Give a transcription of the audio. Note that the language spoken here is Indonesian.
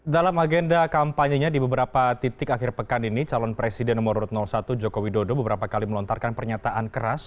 dalam agenda kampanyenya di beberapa titik akhir pekan ini calon presiden nomor urut satu jokowi dodo beberapa kali melontarkan pernyataan keras